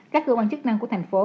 các cơ quan chức năng của thành phố